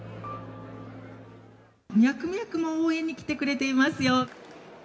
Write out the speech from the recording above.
ミャクミャクも応援に来てくれていますよ。